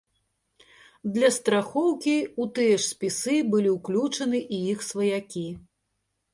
Для страхоўкі ў тыя ж спісы былі ўключаны і іх сваякі.